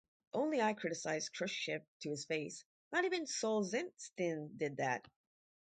Only I criticised Khrushchev to his face; not even Solzhenitsyn did that.